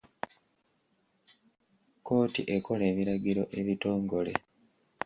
Kkooti ekola ebiragiro ebitongole.